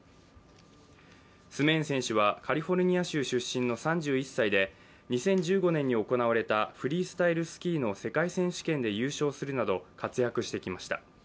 スメーン選手はカリフォルニア出身の３１歳で２０１５年に行われたフリースタイルスキーの世界選手権で優勝するなど、活躍してきました。